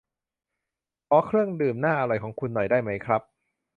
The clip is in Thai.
ขอเครื่องดื่มน่าอร่อยของคุณหน่อยได้ไหมครับ